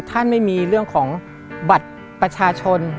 ท่านไม่มีเรื่องของบัตรประชาชน